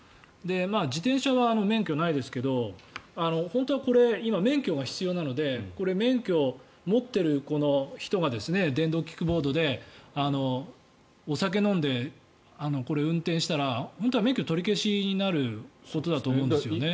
自転車は免許ないですけど本当はこれ、今免許が必要なのでこれ、免許を持っている人が電動キックボードでお酒飲んでこれを運転したら本当は免許取り消しになることだと思うんですよね。